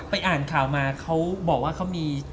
อ่านข่าวมาเขาบอกว่าเขามี